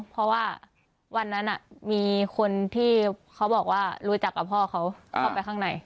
เพราะว่าวันนั้นมีคนที่เขาบอกว่ารู้จักกับพ่อเขาเข้าไปข้างใน